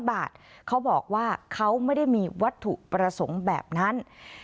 บาทเขาบอกว่าเขาไม่ได้มีวัตถุประสงค์แบบนั้น